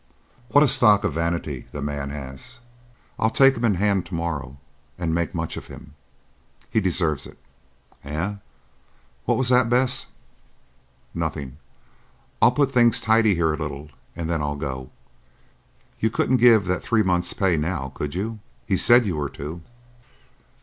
"What a stock of vanity the man has! I'll take him in hand to morrow and make much of him. He deserves it.—Eh! what was that, Bess?" "Nothing. I'll put things tidy here a little, and then I'll go. You couldn't give the that three months' pay now, could you? He said you were to."